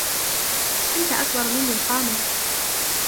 أنت أكبر مني قامة.